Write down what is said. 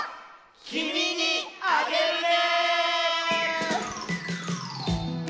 「きみにあげるね」！